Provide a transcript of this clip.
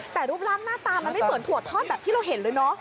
แต่รูปร่างหน้าตามันไม่เหมือนถั่วทอดแบบที่เราเห็นเลยเนอะ